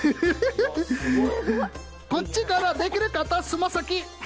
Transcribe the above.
こっちからできる方、つま先。